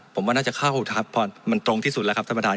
ผมว่าน่าจะเข้าทัพมันตรงที่สุดแล้วครับท่านประธาน